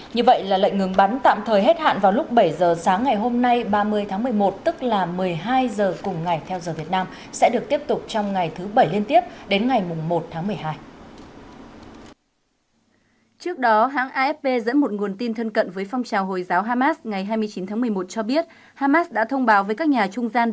như vậy là lệnh ngừng bắn tạm thời hết hạn vào lúc bảy giờ sáng ngày hôm nay ba mươi tháng một mươi một tức là một mươi hai giờ cùng ngày theo giờ việt nam sẽ được tiếp tục trong ngày thứ bảy liên tiếp đến ngày một tháng một mươi hai